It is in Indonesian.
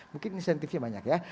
mungkin insentifnya banyak ya